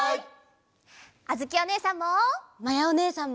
あづきおねえさんも！